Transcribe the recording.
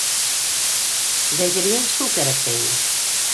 Вәзиргә шул кәрәк тә ине.